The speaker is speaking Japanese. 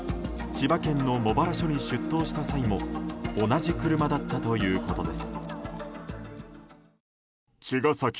千葉県の茂原署に出頭した際も同じ車だったということです。